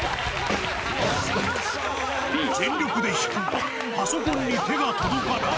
全力で引くが、パソコンに手が届かない。